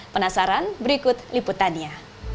penasaran berikut liputannya